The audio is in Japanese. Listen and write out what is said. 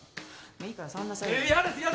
いいから触んなさいよ。